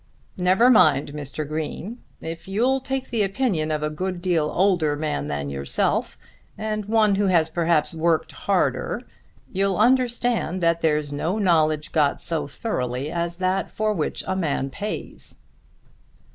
"Never mind, Mr. Green. If you'll take the opinion of a good deal older man than yourself and one who has perhaps worked harder, you'll understand that there's no knowledge got so thoroughly as that for which a man pays."